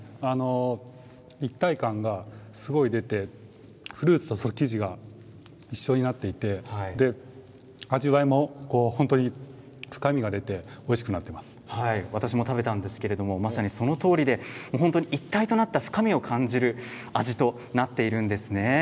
一体感がすごく出てフルーツと生地が一緒になっていて味わいも本当に深みが出て私も食べたんですけれどもまさにそのとおりで一体となった深みを感じる味となっているんですね。